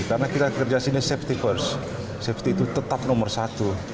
karena kita kerja sini safety first safety itu tetap nomor satu